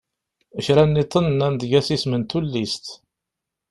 Kra nniḍen nnan-d eg-as isem n tullist.